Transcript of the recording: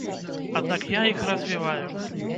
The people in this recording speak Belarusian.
Аднак я іх развіваю.